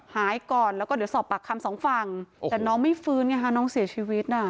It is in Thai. หายก่อนแล้วก็เดี๋ยวสอบปากคำสองฝั่งแต่น้องไม่ฟื้นไงฮะน้องเสียชีวิตน่ะ